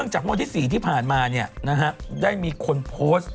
หลังมาเนี่ยนะครับได้มีคนโพสต์